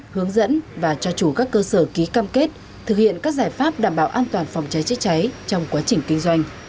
hướng dẫn và cho chủ các cơ sở ký cam kết thực hiện các giải pháp đảm bảo an toàn phòng cháy chữa cháy trong quá trình kinh doanh